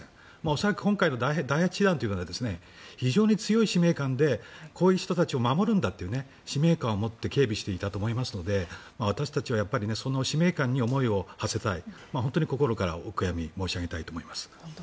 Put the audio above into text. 恐らく今回の第８師団というのは非常に強い使命感でこういう人たちを守るんだという使命感を持って警備していたと思いますので私たちはその使命感に思いをはせたい。